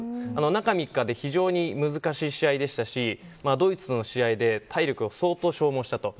中３日で非常に難しい試合でしたしドイツの試合で体力を相当消耗したと。